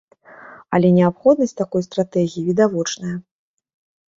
Але неабходнасць такой стратэгіі відавочная.